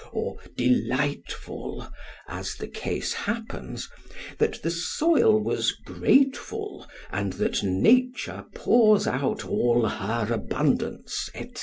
or delightful! (as the case happens)—that the soil was grateful, and that nature pours out all her abundance, &c.